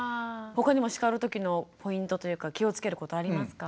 他にも叱る時のポイントというか気をつけることありますか？